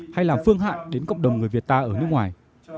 hay làm phương hại đến cộng đồng người việt ta ở nước ngoài